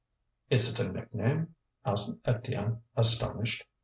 "Is it a nickname?" asked Étienne, astonished.